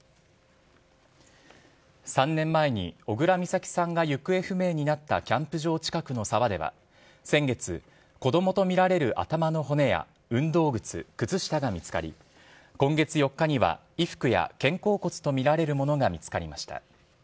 ３年前に小倉美咲さんが行方不明になったキャンプ場近くの沢では、先月、子どもと見られる頭の骨や、運動靴、靴下が見つかり、今月４日には、衣服や肩甲骨と見られるものが見つかりました。